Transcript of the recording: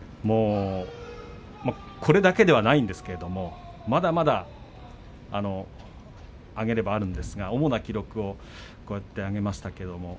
これだけではないんですけれどもまだまだ挙げればあるんですが主な記録を挙げましたけれども